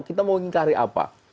kita mau mengingkari apa